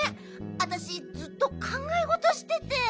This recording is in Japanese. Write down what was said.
わたしずっとかんがえごとしてて。